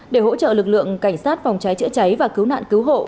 để hỗ trợ lực lượng cảnh sát phòng cháy chữa cháy và cứu nạn cứu hộ